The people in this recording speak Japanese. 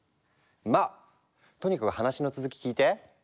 まあとにかく話の続き聞いて！